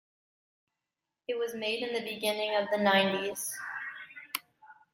It was made in the beginning of nineties.